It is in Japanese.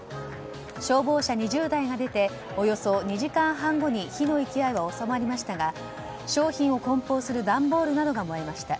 消防車２０台が出ておよそ２時間半後に火の勢いは収まりましたが商品を梱包する段ボールなどが燃えました。